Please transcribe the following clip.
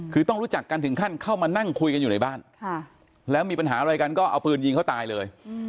คือต้องรู้จักกันถึงขั้นเข้ามานั่งคุยกันอยู่ในบ้านแล้วมีปัญหาอะไรกันก็เอาปืนยิงเขาตายเลย